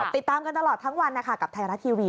ติดตามกันตลอดทั้งวันนะคะกับไทยรัฐทีวี